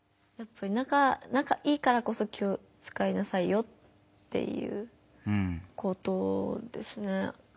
仲いいからこそ気を使いなさいよっていうことですね。